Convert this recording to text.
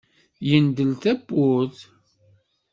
Yendel-d tawwurt.